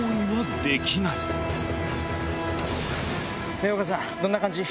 べおかさんどんな感じ？